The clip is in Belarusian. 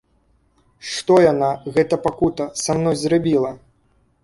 Што яна, гэта пакута, са мной зрабіла?!